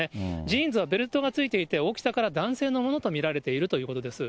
ジーンズはベルトがついていて、大きさから男性のものと見られているということです。